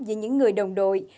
giữa những người đồng đội